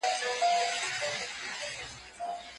اتڼ بې خولۍ نه وي.